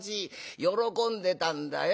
喜んでたんだよ。